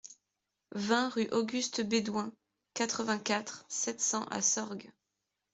vingt rue Auguste Bédoin, quatre-vingt-quatre, sept cents à Sorgues